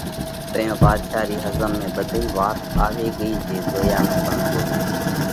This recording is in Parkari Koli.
تئيون ڀاڌشا رِي ۿزم ۾ ٻڌئِي وات آوي ڳئِي جي “زويا ۾ زووَو”